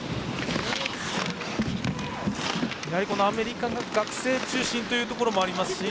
アメリカの学生中心ということもあります